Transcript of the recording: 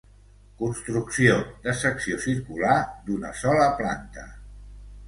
Construcció de secció circular d'una sola planta.